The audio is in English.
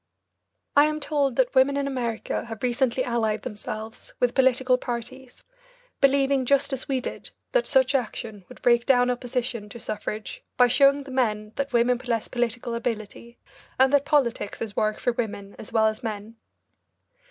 I am told that women in America have recently allied themselves with political parties, believing, just as we did, that such action would break down opposition to suffrage by showing the men that women possess political ability, and that politics is work for women as well as men.